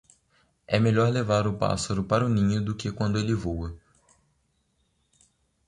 É melhor levar o pássaro para o ninho do que quando ele voa.